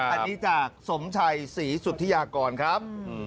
อันนี้จากสมชัยศรีสุธิยากรครับ